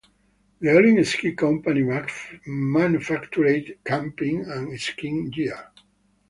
The Olin Ski Company manufactured camping and skiing gear.